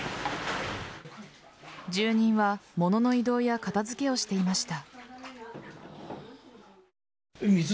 住人は物の移動や片付けをしていました。